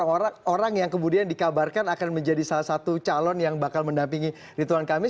orang orang yang kemudian dikabarkan akan menjadi salah satu calon yang bakal mendampingi ridwan kamil